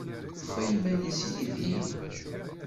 Yufa iman-is yid-i?